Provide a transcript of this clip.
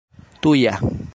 tuja